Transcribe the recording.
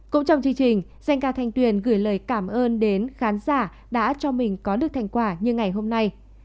cũng trong chương trình dành ca thanh tuyền gửi lời cảm ơn đến khán giả đã cho mình có được thành quả như ngày hôm nay